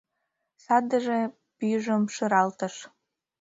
— садыже пӱйжым шыралтыш.